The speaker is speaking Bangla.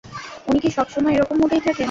উনি কি সবসময় এরকম মুডেই থাকেন?